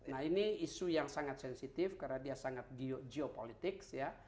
nah ini isu yang sangat sensitif karena dia sangat geopolitik ya